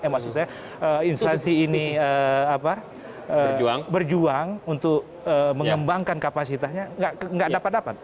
maksud saya instansi ini berjuang untuk mengembangkan kapasitasnya tidak dapat dapat